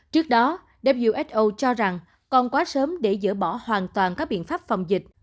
trước đó who cho rằng còn quá sớm để dỡ bỏ hoàn toàn các biện pháp phòng dịch